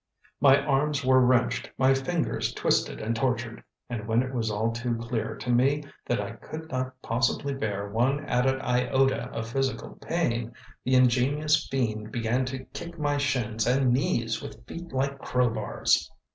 My arms were wrenched, my fingers twisted and tortured, and, when it was all too clear to me that I could not possibly bear one added iota of physical pain, the ingenious fiend began to kick my shins and knees with feet like crowbars.